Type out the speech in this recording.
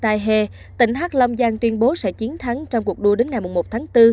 tài hề tỉnh hạc long giang tuyên bố sẽ chiến thắng trong cuộc đua đến ngày một tháng bốn